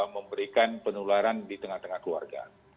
memberikan penularan di tengah tengah keluarga